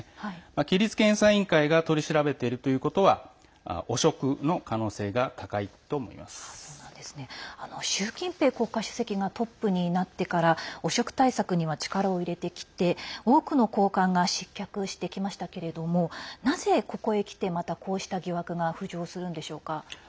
規律検査委員会が取り調べているということは習近平国家主席がトップになってから汚職対策には力を入れてきて多くの高官が失脚してきましたけれどもなぜここへきて、またこうした疑惑が浮上するのでしょうか。